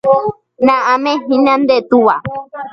Na'áme hína nde túva